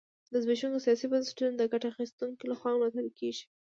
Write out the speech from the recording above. زبېښونکي سیاسي بنسټونه د ګټه اخیستونکو لخوا ملاتړ کېږي.